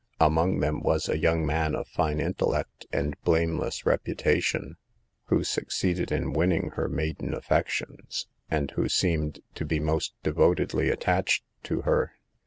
Among them was a young man of fine intellect and blame less reputation, who succeeded in winning her maiden affections, and who seemed to be most devotedly attached to her.